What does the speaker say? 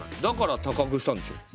だから高くしたんでしょ。